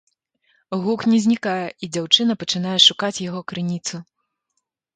Гук не знікае, і дзяўчына пачынае шукаць яго крыніцу.